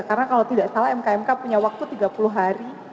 karena kalau tidak salah mk mk punya waktu tiga puluh hari